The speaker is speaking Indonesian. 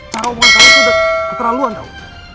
cara omongan kamu tuh udah keterlaluan tau